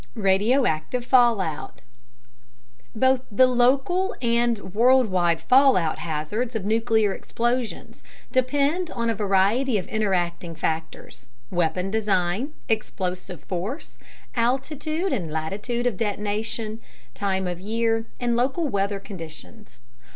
RADIOACTIVE FALLOUT Both the local and worldwide fallout hazards of nuclear explosions depend on a variety of interacting factors: weapon design, explosive force, altitude and latitude of detonation, time of year, and local weather conditions.